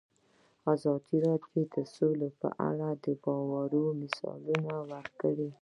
ازادي راډیو د سوله په اړه د بریاوو مثالونه ورکړي.